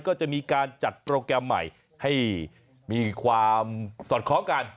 ก็จะมีการจัดโปรแกรมใหม่ให้มีความสอดคล้องกัน